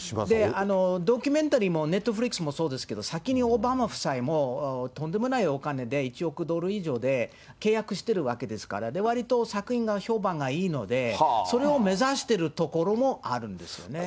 ドキュメンタリーもネットフリックスもそうですけど、先にオバマ夫妻もとんでもないお金で１億ドル以上で契約してるわけですから、わりと作品が評判がいいので、それを目指してるところもあるんですよね。